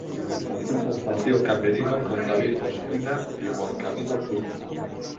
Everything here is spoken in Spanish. Aquí compartió camerino con David Ospina y Juan Camilo Zuñiga.